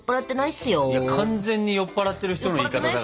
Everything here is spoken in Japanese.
いや完全に酔っ払ってる人の言い方だからそれ！